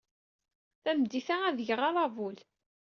Tameddit-a, ad d-geɣ aṛabul.